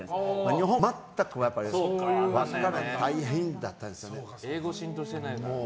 日本は全く分からなくて大変だったですよね。